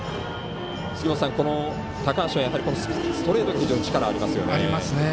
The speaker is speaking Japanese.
高橋はストレート非常に力がありますよね。ありますね。